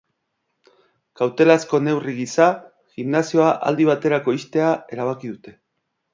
Kautelazko neurri gisa, gimnasioa aldi baterako ixtea erabaki dute.